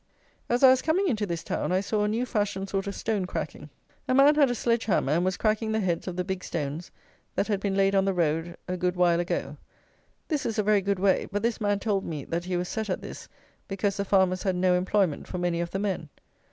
As I was coming into this town I saw a new fashioned sort of stone cracking. A man had a sledge hammer, and was cracking the heads of the big stones that had been laid on the road a good while ago. This is a very good way; but this man told me that he was set at this because the farmers had no employment for many of the men.